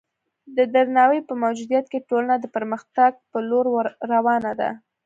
د درناوي په موجودیت کې ټولنه د پرمختګ په لور روانه ده.